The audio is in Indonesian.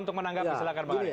kemudian yang lebih penting lagi